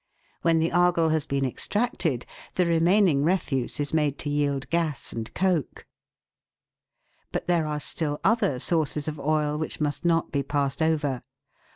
When the argol has been extracted the remaining refuse is made to yield gas and coke. But there are still other sources of oil which must not be passed over.